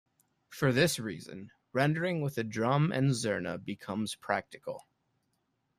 For this reason, rendering with a drum and zurna becomes practical.